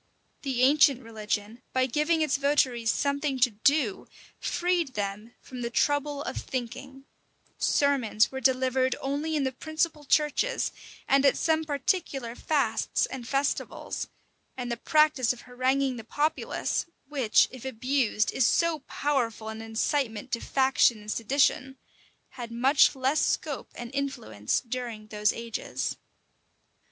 The ancient religion, by giving its votaries something to do, freed them from the trouble of thinking: sermons were delivered only in the principal churches, and at some particular fasts and festivals: and the practice of haranguing the populace, which, if abused, is so powerful an incitement to faction and sedition, had much less scope and influence during those ages.